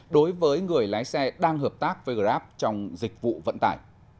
đối với người lái xe đang hợp tác với grab trong dịch vụ vận tải